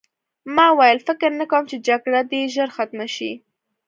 ما وویل فکر نه کوم چې جګړه دې ژر ختمه شي